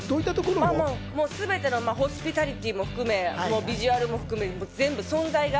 ホスピタリティーも含めビジュアルも含め、全部存在が。